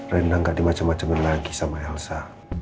rena gak dimacam macamin lagi sama elsa